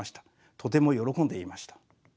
とても喜んでいました。